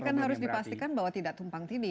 tapi kan harus dipastikan bahwa tidak tumpang tidih